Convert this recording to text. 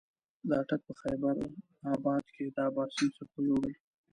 د اټک په خېبر اباد کې د اباسین څپو یوړل.